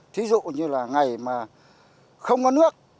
thí dụ như là ngày mà không có nước